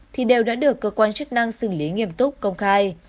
thì đều đã được cơ quan chức năng xử lý nghiêm túc công khai